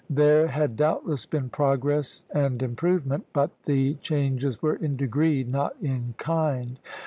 There had doubtless been progress and improvement; but the changes were in degree, not in kind.